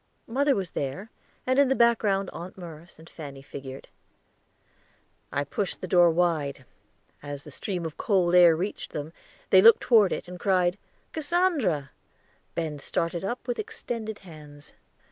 Mother was there, and in the background Aunt Merce and Fanny figured. I pushed the door wide; as the stream of cold air reached them, they looked toward it, and cried "Cassandra!" Ben started up with extended hands.